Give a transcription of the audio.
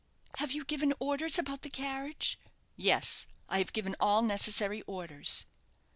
"Have you given orders about the carriage?" "Yes, I have given all necessary orders."